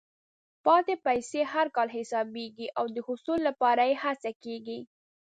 پاتې پیسې هر کال حسابېږي او د حصول لپاره یې هڅه کېږي.